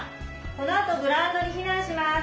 このあとグラウンドにひなんします。